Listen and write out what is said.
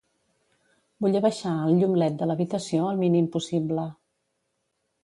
Vull abaixar el llum led de l'habitació al mínim possible.